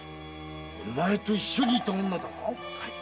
お前と一緒にいた女だな？